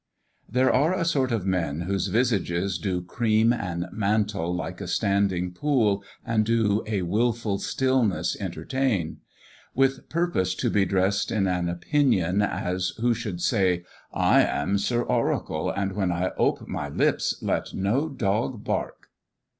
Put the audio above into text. There are a sort of men whose visages Do cream and mantle like a standing pool, And do a wilful stillness entertain; With purpose to be dress'd in an opinion, As who should say, "I am Sir Oracle, "And when I ope my lips let no dog bark."